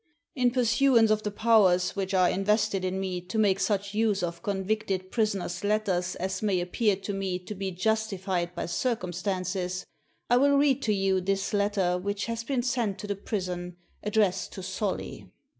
In pursuance of the powers which are invested in me to make such use of convicted prisoners' letters as may appear to me to be justified by circumstances, I will read to you this letter which has been sent to the prison, addressed to Solly."